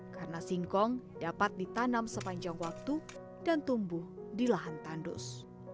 karena singkong dapat ditanam sepanjang waktu dan tumbuh di lahan tandus